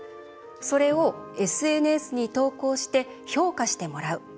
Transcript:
それをＳＮＳに投稿して評価してもらう。